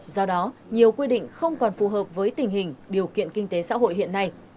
do đó nhiều quy định không còn phù hợp với tình hình điều kiện kinh tế xã hội hiện nay